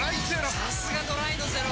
さすがドライのゼロ！